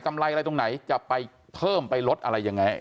อะไรตรงไหนจะไปเพิ่มไปลดอะไรยังไง